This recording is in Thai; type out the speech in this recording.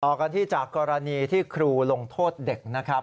กันที่จากกรณีที่ครูลงโทษเด็กนะครับ